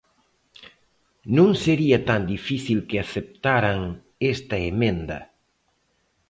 Non sería tan difícil que aceptaran esta emenda.